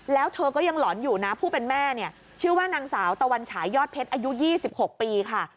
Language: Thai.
แล้วเธอก็ยังหลอนอยู่นะผู้เป็นแม่เนี่ยชื่อว่านางสาวตะวันฉายยอดเพชรอายุ๒๖ปีค่ะ